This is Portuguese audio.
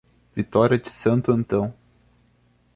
Vitória de Santo Antão